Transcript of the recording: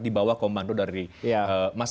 dibawah komando dari mas ahad